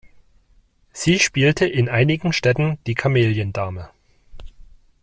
Sie spielte in einigen Städten die Kameliendame.